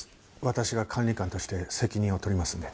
私が管理官として責任を取りますんで。